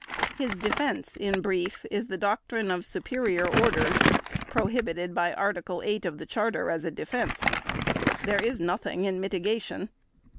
His defense, in brief, is the doctrine of "superior orders", prohibited by Article 8 of the Charter as a defense. There is nothing in mitigation.